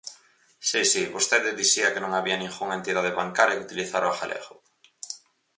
Si, si, vostede dicía que non había ningunha entidade bancaria que utilizara o galego.